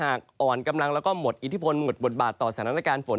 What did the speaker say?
อ่อนกำลังแล้วก็หมดอิทธิพลหมดบทบาทต่อสถานการณ์ฝน